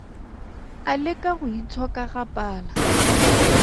A leka go itshoka ga pala.